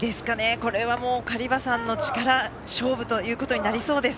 これは、カリバさんの力勝負ということになりそうです。